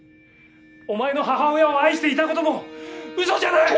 お前の母親を愛していたこともウソじゃない！